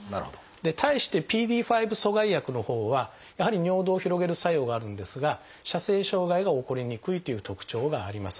で対してＰＤＥ５阻害薬のほうはやはり尿道を広げる作用があるんですが射精障害が起こりにくいという特徴があります。